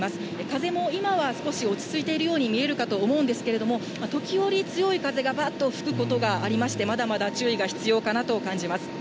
風も今は少し落ち着いているように見えるかと思うんですけれども、時折強い風がばっと吹くことがありまして、まだまだ注意が必要かなと感じます。